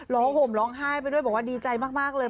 ห่มร้องไห้ไปด้วยบอกว่าดีใจมากเลย